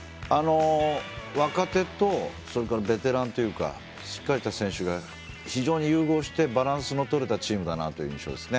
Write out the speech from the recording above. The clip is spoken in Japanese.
若手とベテランというかしっかりと選手が非常に融合してバランスのとれたチームという印象ですね。